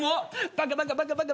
バカバカバカバカ！